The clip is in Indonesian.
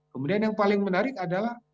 kemudian yang paling menarik adalah